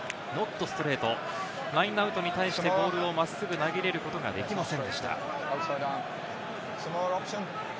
ラインアウトに対して真っすぐ投げることができませんでした。